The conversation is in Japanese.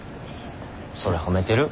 それ褒めてる？